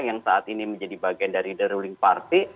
yang saat ini menjadi bagian dari the ruling party